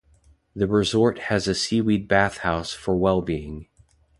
The resort has a Seaweed bath house for wellbeing.